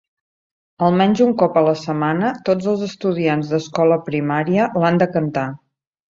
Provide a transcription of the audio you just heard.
Almenys un cop a la setmana, tots els estudiants d'escola primària l'han de cantar.